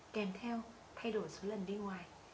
kèm theo thay đổi số lần đi ngoài